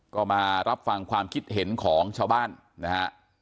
ก็มารับฟังความคิดเห็นของชาวบ้านนะฮะ